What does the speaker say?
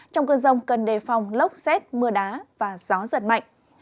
trong cơn rông cần đề phòng lốc xét mưa đá và gió giật mạnh